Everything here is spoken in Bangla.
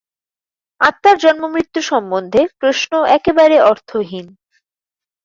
আত্মার জন্ম-মৃত্যু সম্বন্ধে প্রশ্ন একেবারে অর্থহীন।